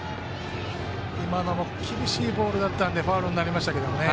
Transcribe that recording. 今のも厳しいボールだったのでファウルになりましたけどね。